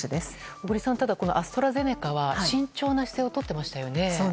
小栗さん、アストラゼネカは慎重な姿勢をとっていましたよね？